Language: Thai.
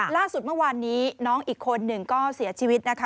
ล่าสุดเมื่อวานนี้น้องอีกคนหนึ่งก็เสียชีวิตนะคะ